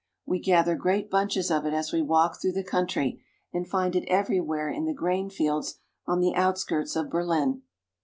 We gather great bunches of it as we walk through the country, and find it everywhere in the grain fields on the outskirts of Berlin.